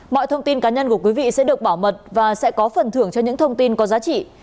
mọi thông tin cá nhân của quý vị sẽ được bảo mật và sẽ có phần thưởng cho những thông tin có giá trị